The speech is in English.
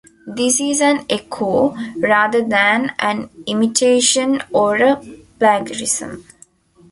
This is an echo rather than an imitation or a plagiarism.